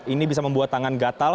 ini bisa membuat tangan gatal